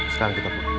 sekarang kita berdua